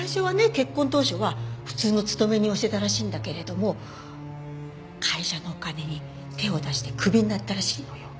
結婚当初は普通の勤め人をしてたらしいんだけれども会社のお金に手を出してクビになったらしいのよ。